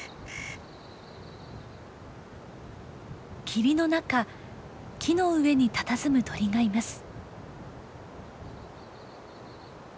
霧の中木の上にたたずむ鳥がいます。